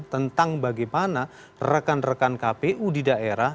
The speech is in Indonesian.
tentang bagaimana rekan rekan kpu di daerah